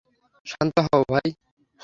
শান্ত হও, ভাই।